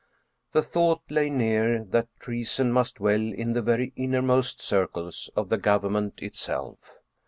The thought lay near that treason must dwell in the very inner most circles of the government itself.